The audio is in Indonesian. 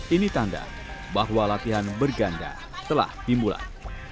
ini tanda bahwa latihan berganda telah timbulan